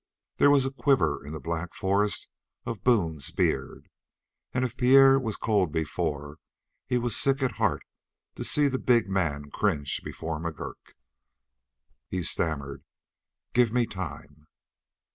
There was a quiver in the black forest of Boone's beard, and if Pierre was cold before, he was sick at heart to see the big man cringe before McGurk. He stammered: "Give me time."